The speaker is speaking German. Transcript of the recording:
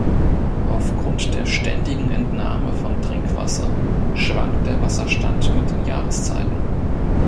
Aufgrund der ständigen Entnahme von Trinkwasser schwankt der Wasserstand mit den Jahreszeiten.